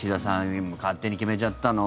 勝手に決めちゃったの。